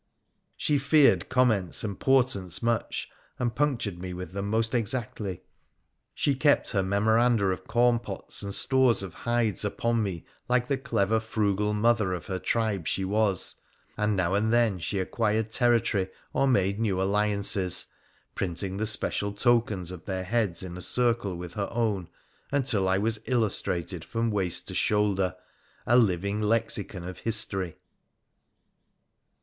She feared comments 40 WONDERFUL ADVENTURES OF and portents much, and punctured me with them most exactly ; she kept her memoranda of corn pots and stores of hides upon me like the clever, frugal mother of her tribe she was ; and now and then she acquired territory or made new alliances — printing the special tokens of their heads in a circle with her own, until I was illustrated from waist to shoulder — a living lexicon of history.